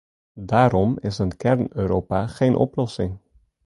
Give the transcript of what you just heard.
Daarom is een kern-Europa geen oplossing.